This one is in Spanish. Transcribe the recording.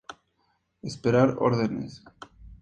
Esperar órdenes.